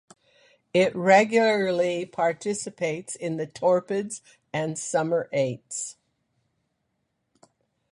It regularly participates in the Torpids and Summer Eights.